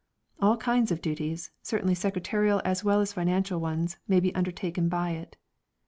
All kinds of duties, certainly secretarial as well as financial ones, may be undertaken by it.